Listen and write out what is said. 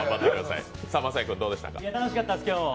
楽しかったです、今日も。